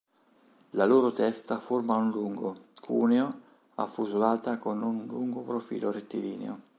La loro testa forma un lungo, cuneo affusolata con un lungo profilo rettilineo.